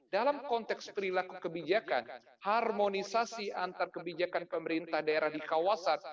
dalam konteks perilaku kebijakan harmonisasi antar kebijakan pemerintah daerah di kawasan